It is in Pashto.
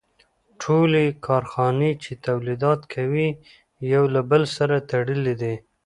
ټولې کارخانې چې تولیدات کوي یو له بل سره تړلي دي